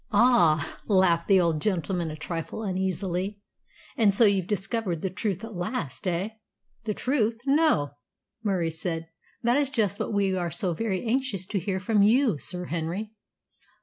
"Ah," laughed the old gentleman a trifle uneasily, "and so you've discovered the truth at last, eh?" "The truth no!" Murie said. "That is just what we are so very anxious to hear from you, Sir Henry."